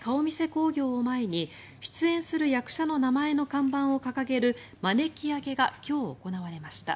興行を前に出演する役者の名前の看板を掲げるまねき上げが今日行われました。